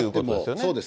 そうです。